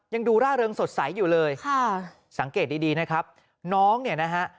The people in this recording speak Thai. ยังดูร่าเริงสดใสอยู่เลยค่ะสังเกตดีดีนะครับน้องเนี่ยนะฮะ